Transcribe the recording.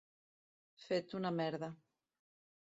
Fet una merda.